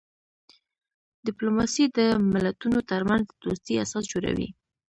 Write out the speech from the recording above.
ډیپلوماسي د ملتونو ترمنځ د دوستۍ اساس جوړوي.